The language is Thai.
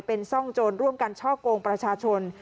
เป็นซ่องโจรร่วมกันช่อกงประชาชน